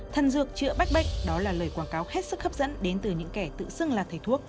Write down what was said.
thần dược chữa bách bệnh đó là lời quảng cáo hết sức hấp dẫn đến từ những kẻ tự xưng là thầy thuốc